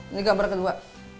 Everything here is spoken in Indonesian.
ini gambar kedua